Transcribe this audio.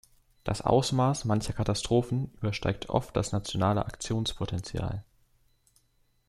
Das Ausmaß mancher Katastrophen übersteigt oft das nationale Aktionspotenzial.